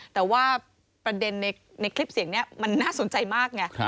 แต่ว่าประเด็นในคลิปเสียงนี้มันน่าสนใจมากไง